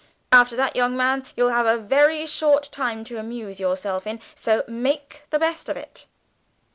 After that, young man, you'll have a very short time to amuse yourself in, so make the best of it."